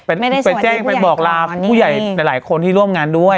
ไปแจ้งไปบอกลาผู้ใหญ่หลายคนที่ร่วมงานด้วย